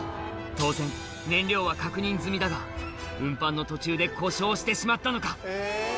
当然燃料は確認済みだが運搬の途中で故障してしまったのか？